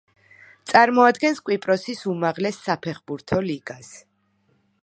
წარმოადგენს კვიპროსის უმაღლეს საფეხბურთო ლიგას.